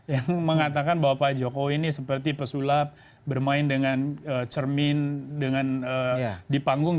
yang mengatakan bahwa pak jokowi ini seperti pesulap bermain dengan cermin di panggung